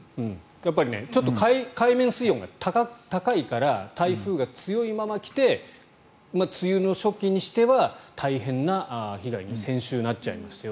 やっぱり、ちょっと海面水温が高いから台風が強いまま来て梅雨の初期にしては大変な被害に先週なっちゃいましたよ